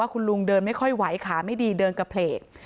คุณลุงเดินไม่ค่อยไหวขาไม่ดีเดินกระเพลก